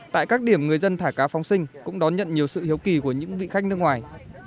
tại các điểm người dân thả cá phóng sinh cũng đón nhận nhiều sự hiếu kỳ của những vị khách nước ngoài